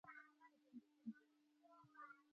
دځنګل حاصلات د افغانستان د اقتصاد یوه مهمه برخه ده.